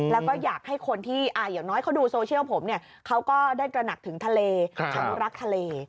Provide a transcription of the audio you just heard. แล้วก็อยากให้คนที่อย่างน้อยเขาดูโซเชียลผมเนี่ยเขาก็ได้ตระหนักถึงทะเลอนุรักษ์ทะเล